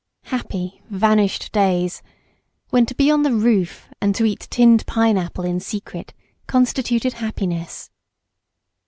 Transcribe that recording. Happy, vanished days, when to be on the roof and to eat tinned pineapple in secret constituted happiness!